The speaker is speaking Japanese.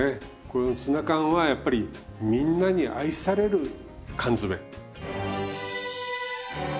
このツナ缶はやっぱりみんなに愛される缶詰。